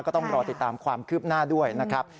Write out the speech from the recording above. ก็ต้องรอติดตามความคืบหน้าด้วยนะครับ